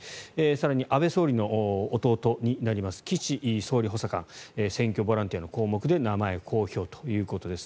更に安倍総理の弟になります岸総理補佐官選挙ボランティアの項目で名前公表ということです。